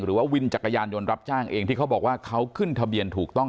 วินจักรยานยนต์รับจ้างเองที่เขาบอกว่าเขาขึ้นทะเบียนถูกต้อง